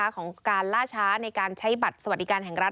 ของการล่าช้าในการใช้บัตรสวัสดิการแห่งรัฐ